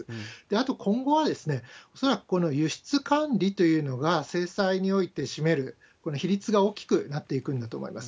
あと、今後は、恐らくこの輸出管理というのが制裁において占める、この比率が大きくなっていくんだと思います。